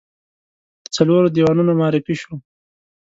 د څلورو دیوانونو معرفي شوه.